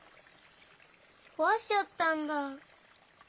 こわしちゃったんだ。